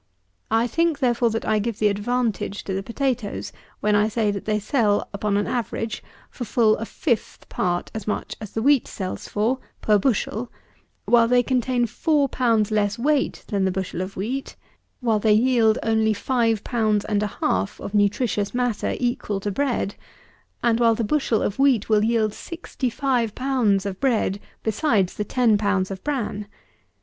I think, therefore, that I give the advantage to the potatoes when I say that they sell, upon an average, for full a fifth part as much as the wheat sells for, per bushel, while they contain four pounds less weight than the bushel of wheat; while they yield only five pounds and a half of nutritious matter equal to bread; and while the bushel of wheat will yield sixty five pounds of bread, besides the ten pounds of bran.